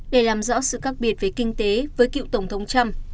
để làm rõ sự khác biệt về kinh tế với cựu tổng thống trump